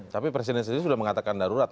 tapi presiden sendiri sudah mengatakan darurat